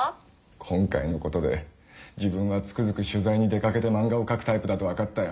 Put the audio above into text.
今回のことで自分はつくづく取材に出掛けて漫画を描くタイプだとわかったよ。